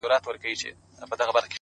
پرمختګ له کوچنیو اصلاحاتو جوړېږي،